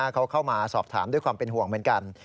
เขาเข้ามาสอบถามด้วยความเป็นห่วงเหมือนกัน